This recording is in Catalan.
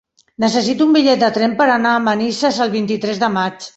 Necessito un bitllet de tren per anar a Manises el vint-i-tres de maig.